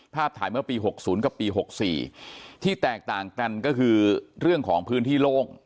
ถ่ายเมื่อปี๖๐กับปี๖๔ที่แตกต่างกันก็คือเรื่องของพื้นที่โล่ง